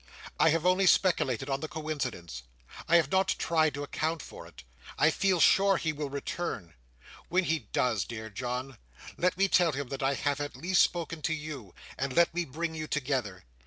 I have only speculated on the coincidence; I have not tried to account for it. I feel sure he will return. When he does, dear John, let me tell him that I have at last spoken to you, and let me bring you together.